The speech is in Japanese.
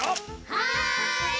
はい！